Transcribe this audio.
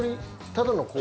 ただの氷？